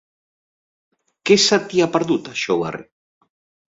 Què se t'hi ha perdut, a Xóvar?